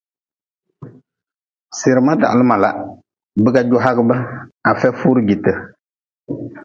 Sirma dahli mala, biga ju hagʼbe, afia furi jite.